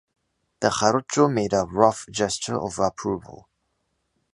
The jarocho made a rough gesture of approval: